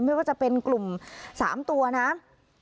ไม่ว่าจะเป็นกลุ่ม๓ตัวนะ